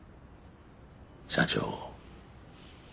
社長。